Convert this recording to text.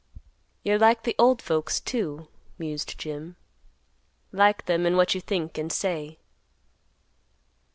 "You're like the old folks, too," mused Jim; "like them in what you think and say."